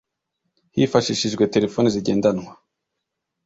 hifashishijwe telefoni zigendanwa